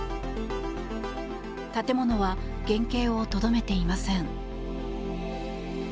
建物は原形をとどめていません。